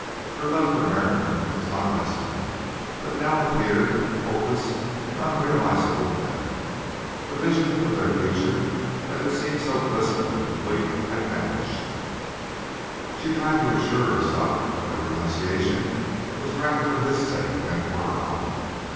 Her love for Merriam was not lessened; but it now appeared a hopeless and unrealizable thing. The visions of their future that had seemed so blissful and complete had vanished. She tried to assure herself that her renunciation was rather for his sake than for her own.